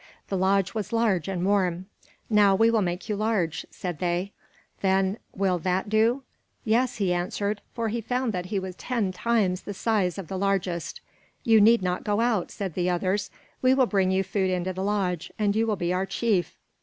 The lodge was large and warm. "Now we will make you large," said they. Then, "Will that do?" "Yes," he answered; for he found that he was ten times the size of the largest. "You need not go out," said the others. "We will bring you food into the lodge, and you will be our chief."